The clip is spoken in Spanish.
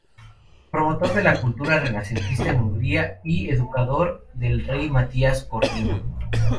Promotor de la cultura renacentista en Hungría y educador del rey Matías Corvino.